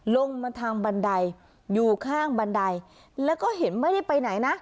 ลงมาทางบันไดอยู่ข้างบันไดแล้วก็เห็นไม่ได้ไปไหนนะ